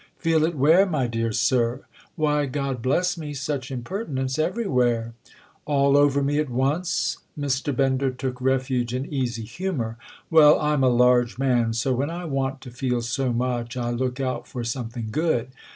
"Feel it where, my dear sir?" "Why, God bless me, such impertinence, everywhere!" "All over me at once?"—Mr. Bender took refuge in easy humour. "Well, I'm a large man—so when I want to feel so much I look out for something good.